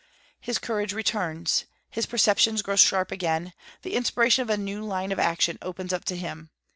His courage returns; his perceptions grow sharp again; the inspiration of a new line of action opens up to him.